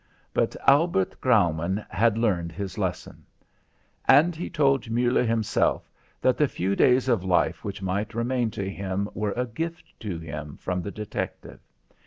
But Albert Graumann had learned his lesson. And he told Muller himself that the few days of life which might remain to him were a gift to him from the detective.